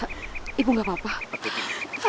ibu gak apa apa